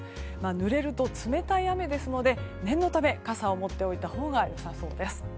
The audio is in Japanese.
ぬれると冷たい雨ですので念のため傘を持っておいたほうがよさそうです。